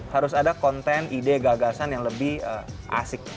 harus ada konten ide gagasan yang lebih asik